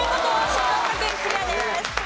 静岡県クリアです。